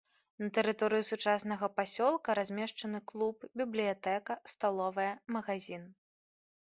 На тэрыторыі сучаснага пасёлка размешчаны клуб, бібліятэка, сталовая, магазін.